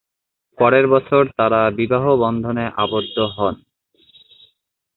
পরের বছর তারা বিবাহ বন্ধনে আবদ্ধ হন।